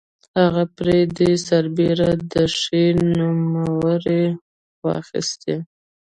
خو پر دې سربېره ده ښې نومرې واخيستې.